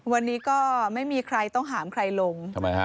วันนี้ก็ไม่มีใครต้องหามใครลงทำไมฮะ